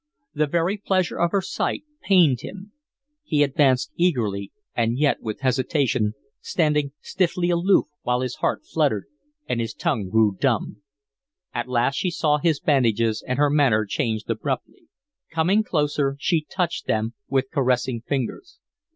The very pleasure of her sight pained him. He advanced eagerly, and yet with hesitation, standing stiffly aloof while his heart fluttered and his tongue grew dumb. At last she saw his bandages and her manner changed abruptly. Coming closer she touched them with caressing fingers.